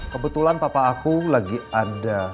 kebetulan papa aku lagi ada